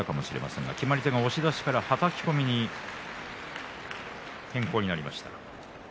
決まり手が押し出しからはたき込みに変わりました。